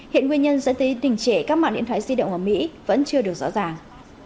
hiện nguyên nhân dẫn tới đỉnh trễ các mạng điện thoại di động ở mỹ vẫn chưa được rõ ràng